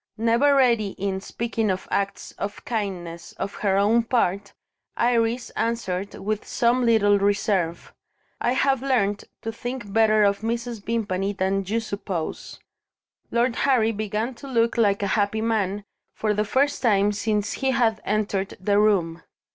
Never ready in speaking of acts of kindness, on her own part, Iris answered with some little reserve: "I have learnt to think better of Mrs. Vimpany than you suppose." Lord Harry began to look like a happy man, for the first time since he had entered the room.